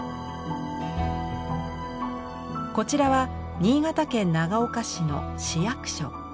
こちらは新潟県長岡市の市役所。